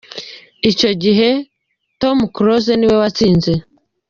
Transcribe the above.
Icyo gihe Tom Close ni we watsinze.